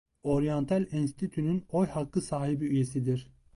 Oryantal Enstitü'nün oy hakkı sahibi üyesidir.